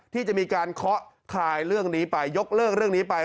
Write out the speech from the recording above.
ที่จะมีการเคาะคลายเรื่องนี้ไปยกเลิกเรื่องนี้ไป